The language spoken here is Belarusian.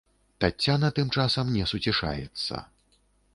Таццяна тым часам не суцішаецца.